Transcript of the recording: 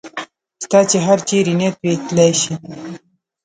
ستا چې هر چېرې نیت وي تلای شې.